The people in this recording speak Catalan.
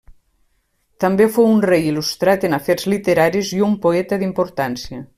També fou un rei il·lustrar en afers literaris i un poeta d'importància.